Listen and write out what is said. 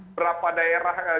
berapa daerah kita malah kasusnya